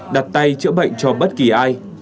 đặt tay chữa bệnh cho bất kỳ ai